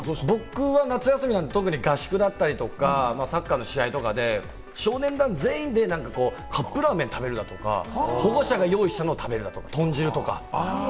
僕は夏休み、合宿だったり、サッカーの試合だったりって、少年団全員でカップラーメン食べるだとか、保護者が用意したのを食べる、豚汁とか。